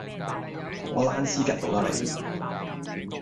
同我躝屍趌路啦你